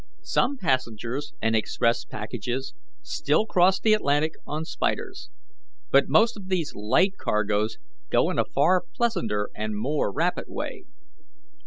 Some passengers and express packages still cross the Atlantic on 'spiders,' but most of these light cargoes go in a far pleasanter and more rapid way.